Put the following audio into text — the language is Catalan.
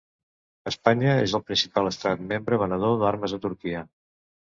Espanya és el principal estat membre venedor d’armes a Turquia.